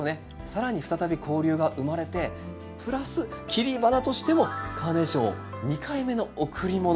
更に再び交流が生まれてプラス切り花としてもカーネーションを２回目の贈り物。